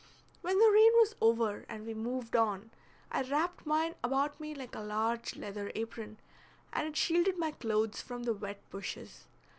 When the rain was over, and we moved on, I wrapped mine about me like a large leather apron, and it shielded my clothes from the wet bushes.